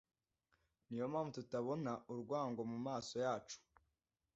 Niyo mpamvu tubona urwango mumaso yacu